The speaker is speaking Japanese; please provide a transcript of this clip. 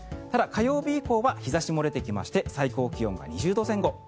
ただ、火曜日以降は日差しも出てきまして最高気温が２０度前後。